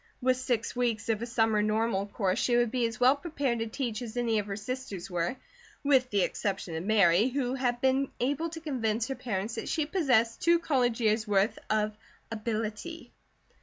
With six weeks of a summer Normal course she would be as well prepared to teach as any of her sisters were, with the exception of Mary, who had been able to convince her parents that she possessed two college years' worth of "ability."